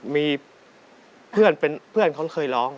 มีเพื่อนเค้าเคยร้อง